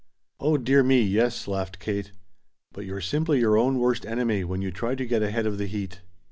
"Oh, dear me, yes," laughed Kate. "But you're simply your own worst enemy when you try to get ahead of the heat."